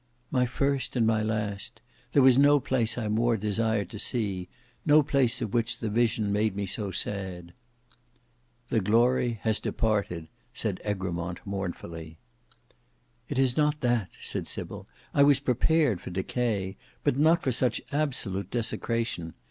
"My first and my last. There was no place I more desired to see; no place of which the vision made me so sad." "The glory has departed," said Egremont mournfully. "It is not that," said Sybil: "I was prepared for decay, but not for such absolute desecration.